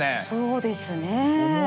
そうですねえ。